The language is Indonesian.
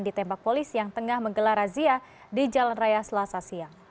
ditembak polisi yang tengah menggelar razia di jalan raya selasa siang